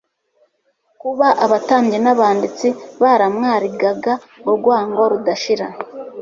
Kuba abatambyi n'abanditsi baramwarigaga urwango rudashira,